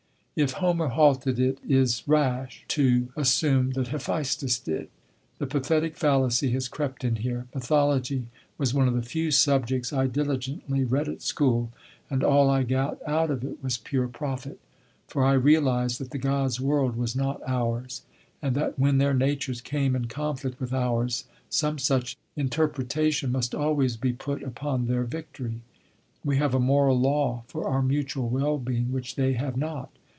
If Homer halted it is rash to assume that Hephaistos did. The pathetic fallacy has crept in here. Mythology was one of the few subjects I diligently read at school, and all I got out of it was pure profit for I realised that the Gods' world was not ours, and that when their natures came in conflict with ours some such interpretation must always be put upon their victory. We have a moral law for our mutual wellbeing which they have not.